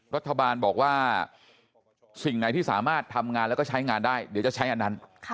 รัฐบาลบอกว่าสิ่งไหนที่สามารถทำงานแล้วก็ใช้งานได้เดี๋ยวจะใช้อันนั้น